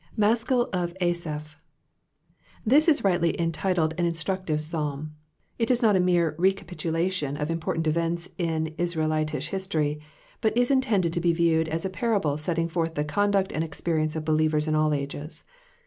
— Kaschil of Asaph. This is rightly enliiUd an insbrudive Psalm, B is not a mere recapUtdalion cf importani events in IsraelUish history^ but is intended to be uieiced as a parable setting forth the conduct and experience of beliecers in aU ages.